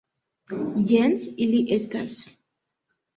Jen ili estas.